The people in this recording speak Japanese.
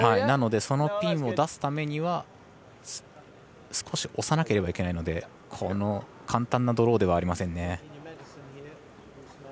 なのでそのピンを出すためには少し押さなければいけないので簡単なドローではありませんね。